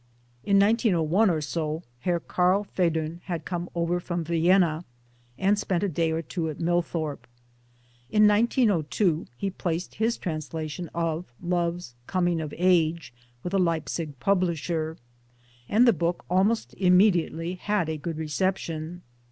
In 1901 or so Herr Karl Federn had come over from Vienna and spent a day or two at Millthorpe. In 1902 he placed his translation of Love's Coming of Age with a Leipzig publisher, and the book almost immediately had a good reception.